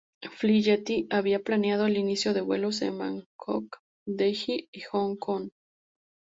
Fly Yeti había planeado el inicio de vuelos en Bangkok, Delhi y Hong Kong.